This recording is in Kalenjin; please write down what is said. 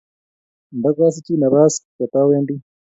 Ndakosichei napas kotawendi.